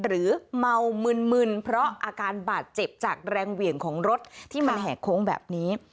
หรือเมามึนเพราะอาการบาดเจ็บจากแรงเหวี่ยงของรถที่มันแห่โค้งแบบนี้